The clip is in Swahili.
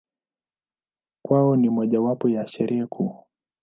Kwao ni mojawapo ya Sherehe kuu.